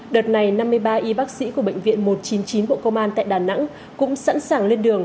đợt này năm mươi ba y bác sĩ của bệnh viện một trăm chín mươi chín bộ công an tại đà nẵng cũng sẵn sàng lên đường